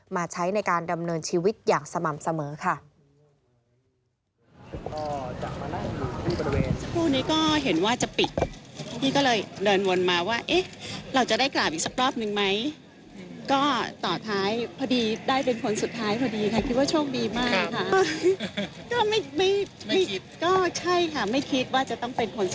มาใช้ในการดำเนินชีวิตอย่างสม่ำเสมอค่ะ